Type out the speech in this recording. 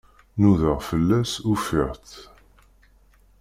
Nudaɣ fell-as, ufiɣ-itt.